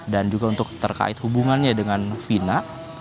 dan juga untuk terkait hubungannya dengan vina